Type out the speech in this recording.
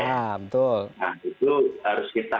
nah itu harus kita